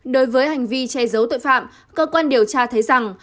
đối với hành vi che giấu tội phạm cơ quan điều tra thấy rằng